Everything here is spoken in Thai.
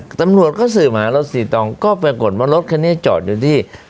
ตำรวจก็สืบหารถสีตองก็ปรากฏว่ารถคันนี้จอดอยู่ที่